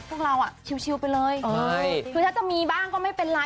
พวกเราอ่ะชิวไปเลยคือถ้าจะมีบ้างก็ไม่เป็นไร